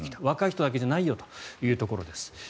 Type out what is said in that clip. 若い人だけじゃないよというところです。